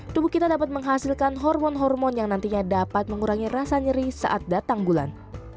tubuh kita dapat menghasilkan hormon hormon yang nantinya dapat mengurangi rasa nyeri saat datang bulan